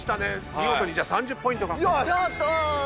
見事に３０ポイント獲得。